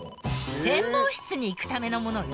展望室に行くためのものよ。